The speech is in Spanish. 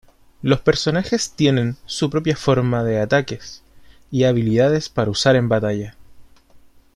Los personajes tienen su propia forma de ataques y habilidades para usar en batalla.